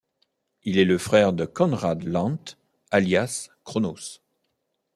Il est le frère de Conrad Lant, alias Cronos.